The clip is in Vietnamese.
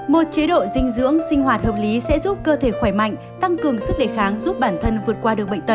một chế độ dinh dưỡng sinh hoạt hợp lý sẽ giúp cơ thể khỏe mạnh tăng cường sức đề kháng giúp bản thân vượt qua được bệnh tật